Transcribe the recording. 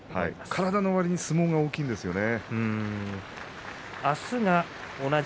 体のわりに相撲が大きいですよね。